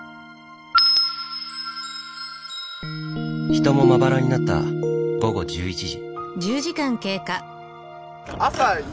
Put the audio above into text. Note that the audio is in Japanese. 人もまばらになった午後１１時。